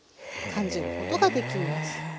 感じることができます。